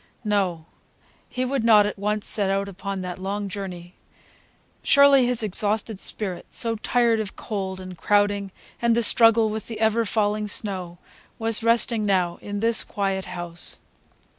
No, he would not at once set out upon that long journey. Surely, his exhausted spirit, so tired of cold and crowding and the struggle with the ever falling snow, was resting now in this quiet house.